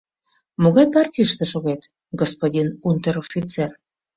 — Могай партийыште шогет, господин унтер-офицер?